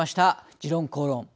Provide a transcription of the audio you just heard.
「時論公論」